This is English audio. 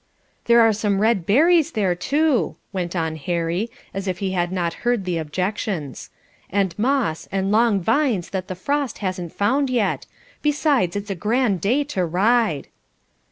"There are some red berries there, too," went on Harry, as if he had not heard the objections, "and moss, and long vines that the frost hasn't found yet; besides it's a grand day to ride."